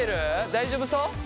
大丈夫そう？